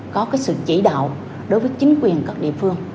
có cái sự chỉ đạo đối với chính quyền các địa phương